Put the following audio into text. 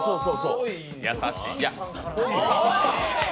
優しい。